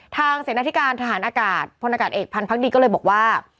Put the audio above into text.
ทางเศรษฐการณ์ทหารอากาศพลนอากาศเอกพันธ์พักดิก็เลยบอกว่า